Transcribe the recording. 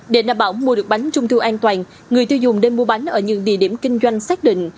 để đảm bảo mua được bánh trung thu an toàn người tiêu dùng nên mua bánh ở những địa điểm kinh doanh xác định